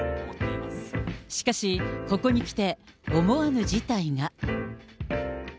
しかし、ここにきて、思わぬ事態が。